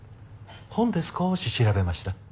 本で少し調べました。